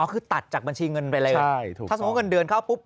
คือตัดจากบัญชีเงินไปเลยถ้าสมมุติเงินเดือนเข้าปุ๊บ